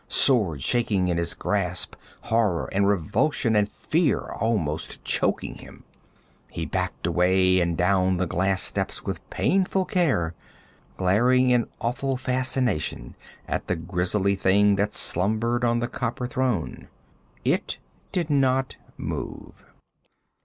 Sword shaking in his grasp, horror and revulsion and fear almost choking him, he backed away and down the glass steps with painful care, glaring in awful fascination at the grisly thing that slumbered on the copper throne. It did not move.